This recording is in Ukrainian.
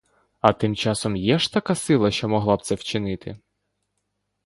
А тим часом є ж така сила, що могла б це вчинити?